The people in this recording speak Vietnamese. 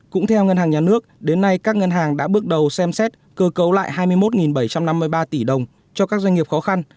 cũng theo ngân hàng nhà nước đến nay các ngân hàng đã bước đầu xem xét cơ cấu lại hai mươi một bảy trăm năm mươi ba tỷ đồng cho các doanh nghiệp khó khăn